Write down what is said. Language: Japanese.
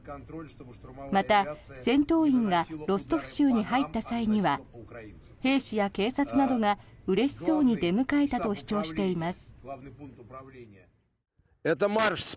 また、戦闘員がロストフ州に入った際には兵士や警察などがうれしそうに出迎えたと主張しています。